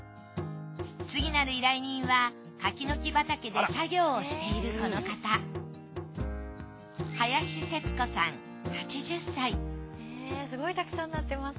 次なる依頼人は柿の木畑で作業をしているこの方すごいたくさんなってます。